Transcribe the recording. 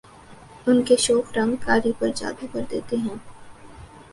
ان کے شوخ رنگ قاری پر جادو کر دیتے ہیں